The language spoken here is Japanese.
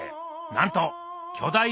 なんと巨大